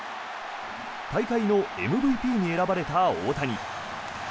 大会のＭＶＰに選ばれた大谷。